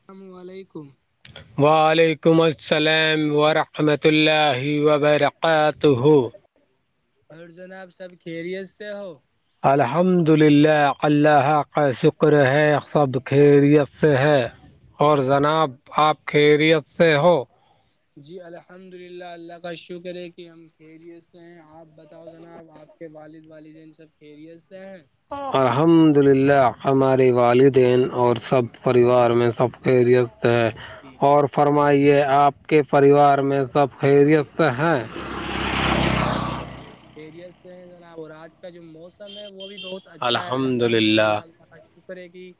السلام علیکم وعلیکم السلام ورحمۃ اللہ وبرکاتہ اور جناب سب خریت سے ہو الحمد للہ اللہ کا شکر ہے سب خیریت سے ہے اور جناب آپ خیریت سے ہو جی الحمد للہ اللہ کا شکر ہے کہ ہم خیریت سے ہیں آپ بتاؤ جناب آپ کے والد والد ان سب کیریت سے ہیں الحمد للہ ہمارے والدین اور سب پریوار میں سب خیریست ہے جی اور فرمائیے آپ کے پریوار میں سب جی خریتے ہیں الحمد للہ اللہ کا شکر ہے سب فری سے جو ن اور آج کا جو موسم ہے وہ بھی بہت اچھا ہے الحمد للہ ب شکر ہے کہ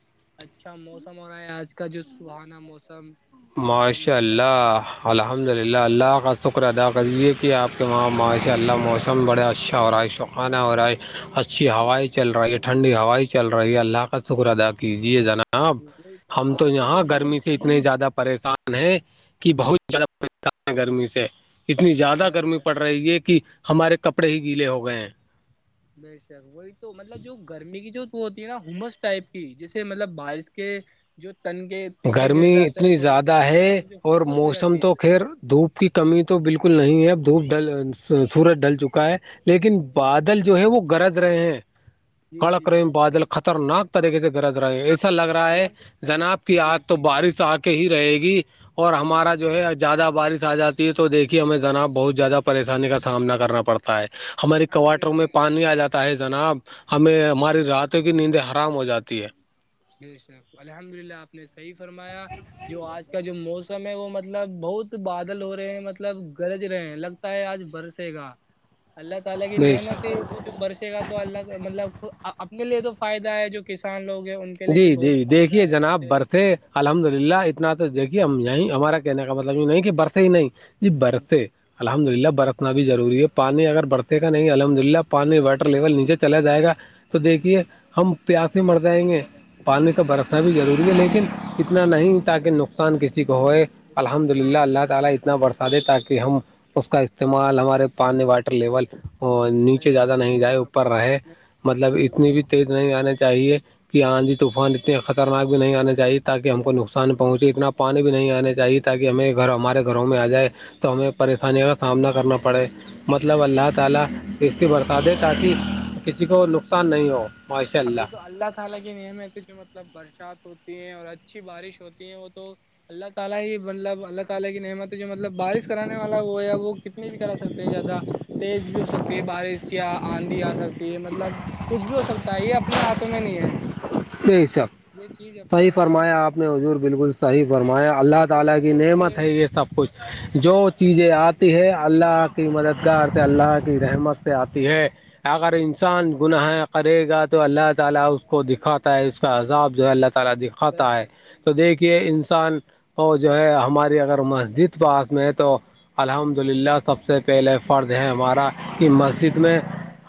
اچھا موسم ہو رہا ہے آج کا جو سہانا موسم ایک دم ماشاء مطلب اللہ الحمد للہ اللہ کا شکر ادا کریے کہ آپ کے وہاں معاشی اللہ موسم بڑے اچھا اور عائشہ آنا اورور اچھی ہوائ چل رہی ٹھنڈی ہوائ چل رہی ہے اللہ کا شکر اا کیجیے جناب ج وہی ہم تو آج کا جو یہاں گرمی سے موسم اتنے زیادہ پریشان ہے کہ بہت زیادہ پریشان ہے گرمی سے اتنی زیادہ گرمی بس پڑ رہی ہے کہ ہمارے کپڑے ہی گیلے ہو گئے ہیں نہیں س وہی تو مطلب جو گرمی کی جو ہوتی ہے نا ہومس ٹائپ کی جیسے مطلب بارش کے جو تن کے تن کے گر گرمی جاتے ہیں اتنی تھوڑے سے زیادہ تو ہے جو اور ہومس ہو موسم جاتی تو ہے خیر دھوپ کی کمی تو بالکل نہیں ہے اب دھوپ ڈل سورج ڈل چکا ہے لیکن جی سر، بادل جو ہے وہ گرج رہے ہیں جی جی بے کڑکیم شک بادل خطرناک طریقے سے گرج رہے ہیں ایسا لگ رہا ہے جناب کے جی آ تو جی بارش آ کے ہی رہے گی اور جی ہمارا جی جو ہے زیادہ بارش آ جاتی ہے تو بے دیکھیے ہمیں شک۔ نا بہت زیادہ پریشانی کا سامنا کرنا پڑتا ہے ہماری الحمد کواٹروں للہ میں پانی آ جاتا ہے جناب ہمیں ہماری راتوں کی نیندیں حرام ہو جاتی ہے ج ش الحمد للہ آپ نے صحیح فرمایا جو آج کا جو موسم م میں وہ مطلب بہت بادل ہو رہے ہیں مطلب گرج رہے ہیں لگتا ہے آج برسے گا اللہ تعالی کی بے شک نعمت ہی جو برسے گا تو اللہ سے مطلب اپنے لیے تو فائدہ ہے جو کسان لوگ ہیں ان کے لیے بھی جی بہت جی فائدہ دیکھیے ہے اس جناب سے برسے بہت فائدہ الحمد ہے۔ للہ اپنا تو دیکھیے ہم یہیں ہمارا کہنے کا مطلب یہ نہیں کہ برسے ہی نہیں جی برے الحمد للہ برتنا بھی ضروری پانی اگر برتتے گا نہیں الحمد للہ پانی واٹر لیول نیچے چلا جائے گا تو جی، دیکھیے ہم پیاس مر جائیں گے پانی تو برسنا بے بھی ضروری ہے لیکن اتنا نہیں تاکہ نقصان کسی کو ہوئے شک الحمد بے للہ شک اللہ تعالی برسا دے تاکہ ہم اس کا استعمال ہمارے پانی باٹے لیول بے نیچے زیادہ شک نہیں صحیح جائے اوپر فرمایا رہے آپ نے مطلب وہی اتنی بھی تو تیز نہیں آنا چاہیے کہ ہاں جی طوفان اتنے خطرناک بھی نہیں آنے چاہیے تاکہ ہم کو نقصان پہنچے اتنا پانی بھی نہیں آنا چاہیے تاکہ ہمیں گھر ہمارے گھروں میں آ جائے تو ہمیں پریشانیوں کا سامنا کرنا پڑے مطلب اللہ تعالی اسسی برساتیں تف کسی کو نقصان نہیں ہو ابھی تو اللہ تعالی کی نعم ہے تو جو مطلب برسات ہوتی ہیں اور اچھی بارش ہوتی ہے وہ تو اللہ تعالی ہی مطلب اللہ تعالی کی نعمت ہے جو مطلب بارش کرانے والا وہ ہے وہ کتنی بھی کرا سکتے ہیں زیادہ تیز بھی ہو سکتی ہے بارش یا آندھی آ سکتی ہے مطلب کچھ بھی ہو سکتا ہے یہ اپنے ہاتھوں میں نہیں ہے نہیں سب یہ چیز اپنے صحیح ہاتھوں میں فرمایا نہیں آپ نے حضور بالکل صحیح فرمایا اللہ جب تعالی کی پرکرتی نعمت ہے یہ سب کچھ جو چیزیں آتی ہے اللہ کی مددگار سے اللہ کی رحمت سے آتی ہے اگر انسان گناہ کرے گا تو اللہ تعالی اس کو دکھاتا ہے اس کا عذاب جو ہے اللہ تعالی بے دکھاتا ہے شک تو دیکھیے انسان وہ جو ہے ہماری اگر مسجد پاس میں ہے تو الحمد للہ سب سے پہلے فرد ہے ہمارا کی مسجد میں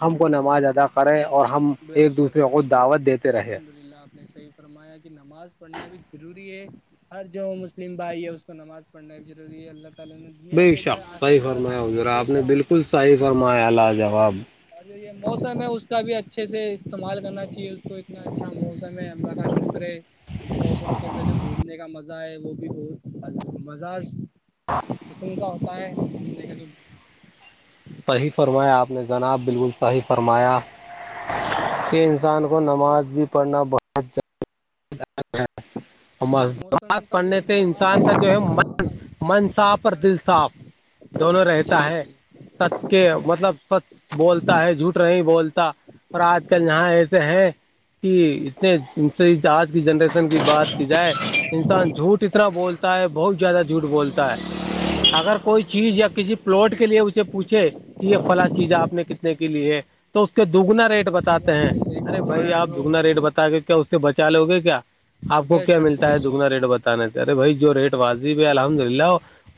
ہم کو نماز ادا کریں اور ہم بے ایک دوسرے شک بے کو شک دعوت دیتے رہے الحمد للہ آپ نے صحیح فرمایا کہ نماز پڑھنا بھی ضروری ہے ہر جو مسلم بھائی ہے اس کو نماز پڑھنا بھی ضروری ہے اللہ تعالی نے دنیا بے بھیجا شک ہے آخر صحیح بنانے فرمایا کے لیے حضرا تو آپ اسے نے بالکل آخرت کی بھی صحیح تیاری کرنا فرمایا چاہیے لاجواب اور جو یہ موسم ہے اس کا بھی اچھا اچھے سے استعمال کرنا چاہیے اس کو اتنا اچھا موسم ہے الہ کا شکر ہے اس موسم کے اندر جو گھومنے کا مزہ ہے وہ بھی بہت مزہ قسم کا ہوتا ہے گھومنے کا جو صحیح فرمایا آپ نے جناب بالکل صحیح فرمایا سان کو نماز بھی پڑھنا [unintelligible] اور اس موسم مات کا جو پڑھنے سے مزاج انسان کا جو ہے من صاف اور دل صاف دونوں رہتا جی ہے جی ست کے بے مطلب شک س بولتا ہے جھوٹ نہیںی بولتا اور آج کل یہاں ایسے ہیں کہ اتنے آج کی جنریشن کی بات کی جائے انسان جھوٹ اتنا بولتا ہے بہت زیادہ جھوٹ بولتا ہے بے اگر شک کوئی چیز یا کسی پلاٹ کے لیے اسے پوچھے یہ فلاں چیزیں آپ نے کتنے کی لی ہے تو اس کے دگنا ریٹ یہ بتاتے آپ ہیں نے صحیح ارے بھائی فرمایا آپ جو دگنا ریٹ بتا گے کیا اس سے بچا لو گے کیا آپ کو بے کیا شک ملتا بے ہے شک دگنا ریٹ بتانا تھ اے بھائی جو ریٹ واضب ہے الحمد للہ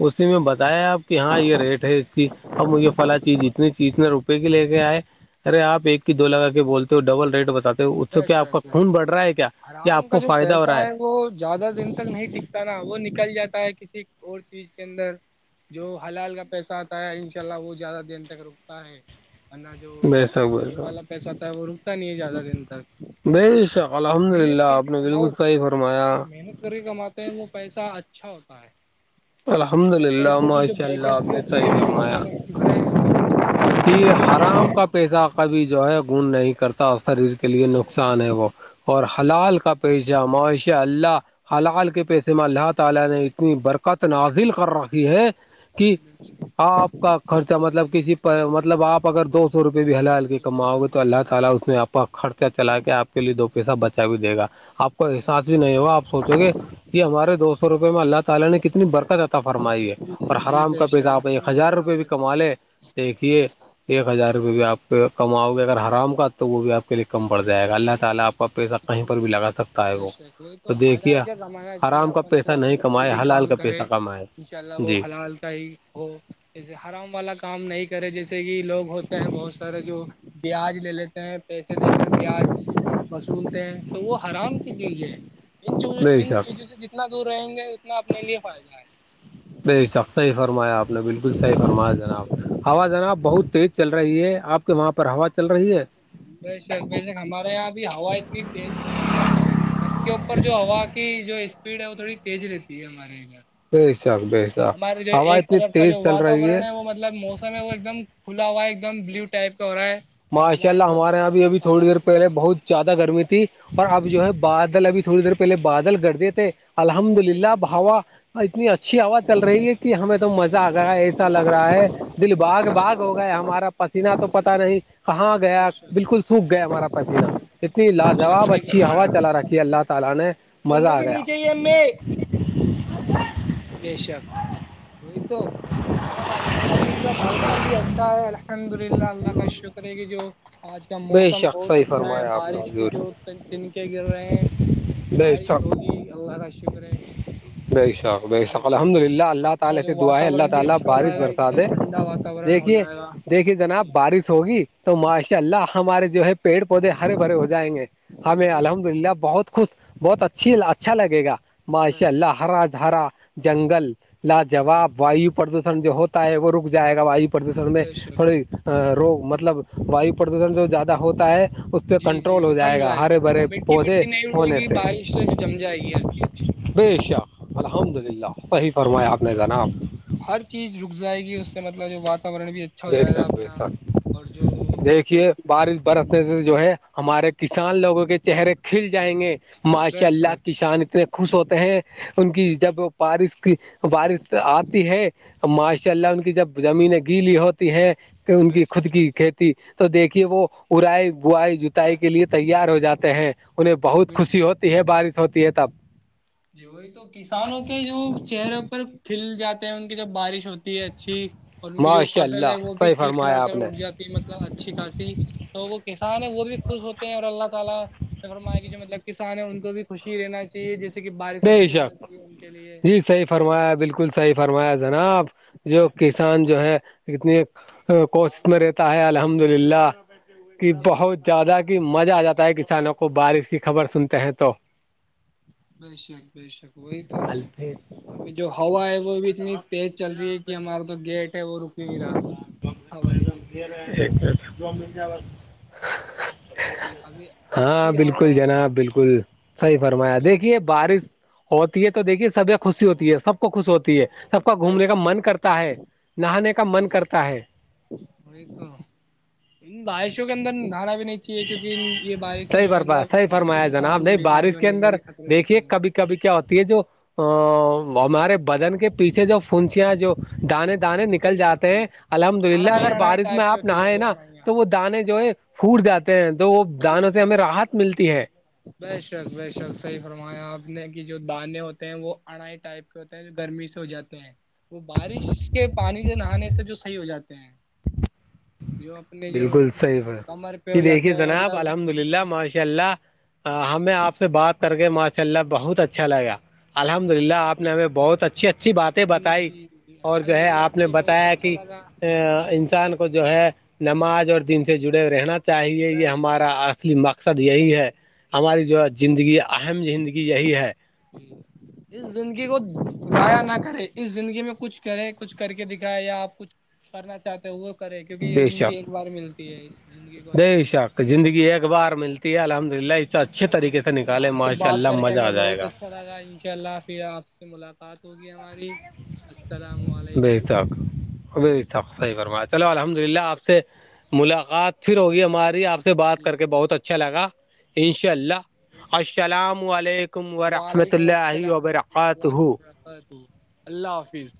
اسی میں بتایا آپ کہ ہاں یہ ریٹ ہے اس کی اب مجھ یہ فلاں چیز اتنی چیز اتنے روپئے کی لے کے آئے ارے آپ ایک کی دو لگا کے بولتے ہو ڈبل ریٹ بتاتے ہو اس سے کیا آپ کا خون بڑھتا آرام کا جو پیسہ ہے وہ زیادہ دن تک نہیں ٹکتا نا وہ نکل جاتا ہے کسی اور چیز کے اندر جو حلال کا پیسہ آتا ہے ان شاء اللہ وہ زیادہ دیر تک رکتا ہے انا جو بے شک بے یہ شک والا پیسہتا ہے وہ رکتا نہیں ہے زیادہ دن بے شک الحمد للہ محنت کر آپ کے نے کماؤ بالکل صحیح فرمایا محنت کر کے کمات [unintelligible] تے وہ پیسہ اچھا ہوتا ہے الحمد وہ تو للہ ایسے کہ جو ماشاء بھائی اللہ آپ ٹکری نے ہوتی صحیح ہے وہ فرمایا بڑا س ہے [unintelligible] کہ حرام کا پیسہ کبھی جو ہے گن نہیں کرتا شریر کے لیے نقصان ہے وہ اور حلال کا پیشہ معاش اللہ حلال کے پیسے میں اللہ تعالی نے اتنی برکت نازل کر رکھی ہے کہ آپ کا خرچہ مطلب کسی پر مطلب آپ اگر دو سو روپے بھی حلہ ہلکی جی صحیح کماؤ گے تو فرمایا اللہ آپ، تعالی اس میں آپ کا خرچہ چلا کے آپ کے لیے دو پیسہ بچا بھی دے گا آپ کا احساس بھی نہیں ہوا آپ سوچو گے کہ ہمارے دو سو روپئے میں لت تعالی نے کتنی برکت اطا فرمائی ہے اور جی حرام بے کا پیسہ شک آپ ایک الحمد ہزار للہ روپئے آپ بھی کما نے لے دیکھیے ایک ہزار روپئےے بھی آپ کے کماؤ گے اگر حرام کا تو وہ بھی آپ کے لیے کم پڑ جائے گا اللہ تعالی آپ پیسہ کہیں پر بھی لگا سکتا ہے بے وہ شک وہی تو دیکھیے آرام کا پیسہ تو نہیں اپنے کوئی کمائے بھی حلال کام کا کرے پیسہ کمائے ان شاء اللہ وہ جی حلال کا ہی ہو جے حرام والا کام نہیں کرے جیسے کہ لوگ ہوتے ہیں بہت سارے جو بیاج لے لیتے ہیں پیسے د بیاج وصولتے ہیں تو وہ حرام کی چیز ہے ان بے ان شک چیزوں سے ج اتنا دور رہیں گے اتنا اپنے لیے فائدہ ہے ب سب صحی فرمایا آپ نے بالکل صحیح فرمایا جناب ہوا جناب بہت تیز چل رہی ہے آپ کے وہاں پر ہوا چل رہی ہے ب ش بے شک ہمارے یہاں اب ہوا اتنی تیز چل رہی ہے چھت کے اوپر جو ہوا کی جو اسپیڈ ہے وہ تھوڑی تیز رہتی ہے ہمارے ادھر ب شک ب [unintelligible] ہمارے جو ایک طرف کا جو واتاورن ہے وہ مطلب موسم ہے وہ ایک دم کھلا ہوا ہے ایک دم بلیو ٹائپ کا ہو رہا ہے اور ماشاء ہماری اللہ طرف کا ہمارے یہاں ا بھی اب موسم تھوڑی کالا دیر سوٹ پہلے ہو بہت زیادہ گرمی تھی اور اب جو ہے بادل ابھی تھوڑی دیر پہلے بادل گرد تھے الحمد للہب ہا اتنی اچھی ہوا چل رہی ہے کہ ہمیں تو مزہ آ گیا ا لگ رہا ہے دل باغ باغ ہو گیا ہمارا پسیینہ تو پتا نہیں کہاں گیا بالکل سوکھ گیا ہمارا پسینہ اتنی لاجواب صحیح اچھی ہوا چلا رکھی ہے اللہ سالانے [unintelligible] چنو بھی نہیں چاہیے ہمیں بے شک تو جو ابھی کا موسم بھی اچھا ہےا الحمد للہ اللہ کا شکر ہے کہ جو آج کا بے موسم شک بہت صحیح اچھا ہے فرمایا آپ نے بارش کے جو تنکے گر رہے ہیں ہوں [inaudible] بارش ہوگی اللہ کا شکر ہے بے شک بے ہمارے شک الحمد للہ اللہ اچھا تعالی جو سے دعا ہے اللہ واتاورن بھی تعالی اچھا ہو بارش جائے گا اس برسا سے دے ٹھنڈا واتورن ہو دیکھیے جائے گا دیکھیے جناب بارش ہوگی تو ماشاء اللہ ہمارے جو ہے پیڑ پودے ہرے بھرے ہو جائیں گے ہمیں جی الحمد للہ بہت خش بہت اچھی اچھا لگے گا ماشاء بس اللہ ہرا جرا جنگل جی لاجواب وایو پردوشن جو ہوتا ہے وہ رک جائے گا واو پردوشن میں بے شک تھوڑی روگ مطلب وایو پردوشن جو زیادہ ہوتا ہے اس پہ جی جی کنٹرول ہو وہ تھم جائے گا ہرے بھرے مٹی پودے وٹی نہیں اٹے ہونے گی سے بارش جم جائے گی ہر چیز بے شک الحمد للہ صحیح فرمایا آپ نے جناب ہر چیز رک جائے گی اس سے مطلب جو واتاورن بھی اچھا ہو بے جائے گا شاک بیے اپنا ساک اور جو دیکھیے مٹی بارش وٹی۔ برسنے سے جو ہے ہمارے کسان لوگوں کے چہرے کھل جائیں گے ماشاء بے اللہ شک کسان اتنے خوش ہوتے ہیں ان کی جب بارش کی بارش آتی ہے ماشاء اللہ ان کی جب زمینیں گیلی ہوتی ہیں کہ ان بے کی شک خود کی کھیتی ت تو دیکھیے وہ ارائی بائی ج سائی کے لیے تیار ہو جاتے ہیں انہیں بہت بے خوشی شک ہوتی ہے بارش ہوتی ہے تب جی ہے تو کسانوں کے جو چہروں پر کھل جاتے ہیں ان کی جب بارش ہوتی ہے اچھی اور ان کی جو ماشاء فصل ہے اللہ وہ بھی صحیح کھل کلا فرمایا آپ کر نے اٹ جاتی ہے مطلب اچھی خاصی تو وہ کسان ہے وہ بھی خوش ہوتے ہیں اور اللہ تعالی فرما کی جو مطلب کسان ہیں ان کو بھی خوشی رہنا چاہیے جس جے کہ بارش بے اچھی ہونا شک چاہیے ان کے لیے جی صحیح اور فرمایا بالکل صحیح فرمایا جناب جو کسان جو ہے اتنی کوشت میں رہتا ہے الحمد للہ کہ جی بہت زیادہ کہ مزہ آ جاتا ہے کسانوں کو بارش کی خبر سنتے ہیں تو بی شک بی شک وہی تو الفیظ ابھی جو ہوا ہے وہ بھی اتنی تیز چل رہی ہے کہ ہمارا تو گیٹ ہے وہ رک ہی نہیں رہا ہو جے جا گمٹ جابا ابھی ہاں اچھی بالکل ہوا ہے جناب بالکل صحیح فرمایا دیک بارش ہوتی ہے تو دیکھیے سبھی خوشی ہوتی ہے سب کو خوش ہوتی ہے سب بے گھومنے کا شک من کرتا ہے نہانے کا من جی کرتا ہے تو بارشوں کے اندر دھانا بھی نہیں ا ہے کیونک یہ بارش سے صحیح جو برپا مطلب صحیح کانسی فرمایا جناب زکام نہیں بیماری بارش ہونے کے اندر بھی خطرے دیکھیے رہتے ہیں کبھی کبھی کیا ہوتی ہے جو ہمارے بدن کے پیچھے جو فنچیاں جو دانے دانے نکل جی جی جاتے ہیں جی الحمد للہ اڑائی اگر اڑائی بارش میں ٹائپ کی آپ ہوتی ہے نہیں وہ نا اڑائیاں تو وہ دانے جو ہے پوٹ جاتے ہیں تو وہ جی دانوں سے جی ہمیں جی راحت ملتی ہے بے شک بے شک صحیح فرمایا آپ نے کہ جو دانے ہوتے ہیں وہ اڑھائی ٹائپ ہوتا ہے گرمی سے ہو جاتے ہیں وہ بارش کے پانی سے نہانے سے جو صحیح ہو جاتے ہیں جو اپنے جو بالکل صحیح ہے کمر پہ جی ہو دیکھیے جاتے ہیں مطلب جناب الحمد للہ ماشاء اللہ ہمیں آپ سے بات کر کے ماشاء اللہ بہت اچھا لگا الحمد للہ آپ نے ہمیں بہت اچھی اچھی بات جی بتائی جی جی اور جو الحمد ہے للہ آپ ہمیں نے یہ بہت بتایا اچھا کہ لگا جی انسان کو جو ہے نماز اور دن سے جڑے رہنا چاہیے یہ بے شک ہمارا بے شک اصلی مقصد یہی ہے ہماری جو ہے جی زندگی اہم زندگی یہی ہے جی اس زندگی کو د گایا نہ کرے اس زندگی میں کچھ کرے کچھ کر کے دکھائے یا آپ کچھ کرنا چاہتے ہیں وہ کرے کیونکہ یہ بے زندگی شک ایک بار ملتی ہے زندگی کو بے اچھے لیے شک زندگی ایک بار ملتی ہے الحمد للہ اچھا اچھے طریقے سے نکالے آپ سے ماشاء بات اللہ کر کے مزہ ہمیں آ جائے گا [inaudible] ان شاء اللہ ح پھر آپ سے ملاقات ہوگی ہماری السلام علیکم بے‌شک اچھا صحیح فرما چلو الحمد للہ آپ سے ملاقات پھر ہوگی ہماری آپ بات کر جی کے بہت اچھا لگا ان شاء اللہ السلام علیکم علیکم ور رحمۃ وعلیکم اللہ السلام ورحمۃ وبرکاتہ اللہ وبرکاتہ اللہ حافظ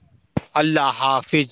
اللہ حافظ